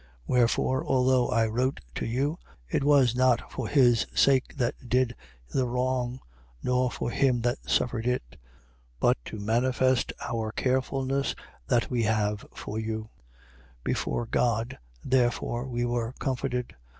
7:12. Wherefore although I wrote to you, it was not for his sake that did the wrong, nor for him that suffered it: but to manifest our carefulness that we have for you 7:13. Before God: therefore we were comforted.